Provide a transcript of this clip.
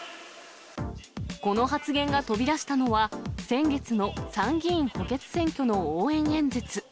この発言が飛び出したのは、先月の参議院補欠選挙の応援演説。